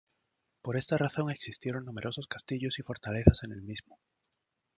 Por esta razón existieron numerosos castillos y fortalezas en el mismo.